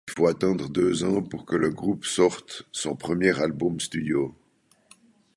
Il faut attendre deux ans pour que le groupe sorte son premier album studio.